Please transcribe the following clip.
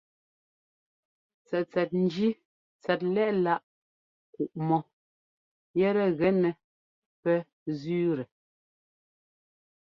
Tsɛtsɛt njí tsɛt lɛ́ꞌláꞌ kuꞌmɔ yɛtɛ gɛnɛ pɛ zẅíitɛ.